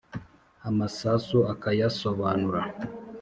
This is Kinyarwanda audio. Amasasu akayasobanura